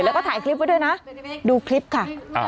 แล้วก็ถ่ายคลิปไว้ด้วยนะดูคลิปค่ะ